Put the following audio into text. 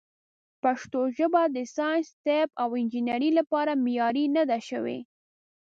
پښتو ژبه د ساینس، طب، او انجنیرۍ لپاره معیاري نه ده شوې.